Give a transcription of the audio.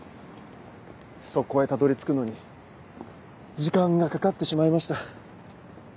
そこへたどり着くのに時間がかかってしまいました。